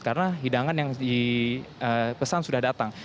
karena hidangan yang dipesan sudah datang